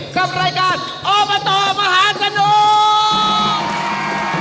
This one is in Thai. กับรายการอบตมหาสนุก